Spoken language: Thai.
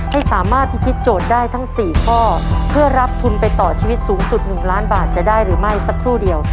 ให้สามารถพิธีโจทย์ได้ทั้ง๔ข้อเพื่อรับทุนไปต่อชีวิตสูงสุด๑ล้านบาทจะได้หรือไม่สักครู่เดียว